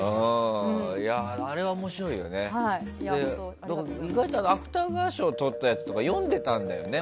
あれは面白いよね、意外と芥川賞をとったやつとか読んでいたんだよね。